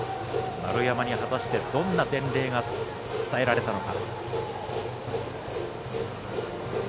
丸山に果たしてどんな伝令が伝えられたのか。